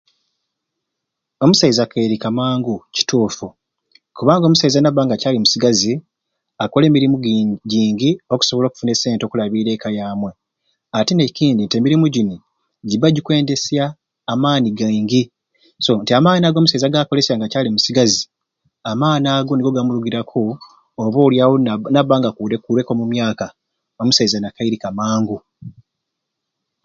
Omusaiza akairika mangu kituufu okubanga omusaiza naba nga akyali musigazi akola emirimu gyi gyingi okusobola okufuna esente okulabiira ekka yamwei ate nekindi emirimu gyini gyiba gyikwendesya amaani gaingi so nti amaani ago omusaiza gakolesya nga akyali musigazi amaani ago nigo gamuligiraku oba oli awo naba nga akureku omu myaka omusaiza akairika mangu